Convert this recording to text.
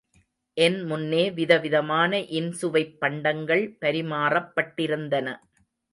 என் முன்னே வித விதமான இன்சுவைப் பண்டங்கள் பரிமாறப் பட்டிருந்தன.